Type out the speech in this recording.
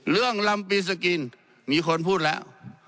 เรื่องลำปีศกินมีคนพูดแล้ว